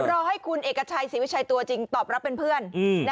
รอให้คุณเอกชัยศรีวิชัยตัวจริงตอบรับเป็นเพื่อน